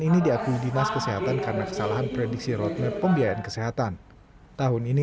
ini diakui dinas kesehatan karena kesalahan prediksi roadmap pembiayaan kesehatan tahun ini